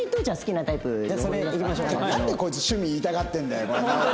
なんでこいつ趣味言いたがってんだよ。